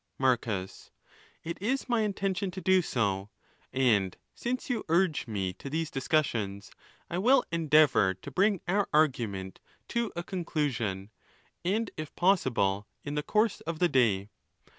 . Marcus.—It is my intention to do so; and since you urge me to these discussions, I will endeavour to bring our argu ment to a conclusion, and if possible, in the course of the day.